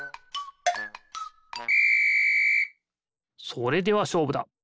それではしょうぶだ！